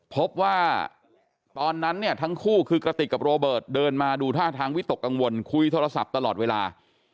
พบว่าตอนนั้นเนี่ยทั้งคู่คือกระติกกับโรเบิร์ตเดินมาดูท่าทางวิตกกังวลคุยโทรศัพท์ตลอดเวลา